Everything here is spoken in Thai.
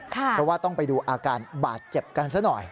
เพราะว่าต้องไปดูอาการบาดเจ็บกันซะหน่อย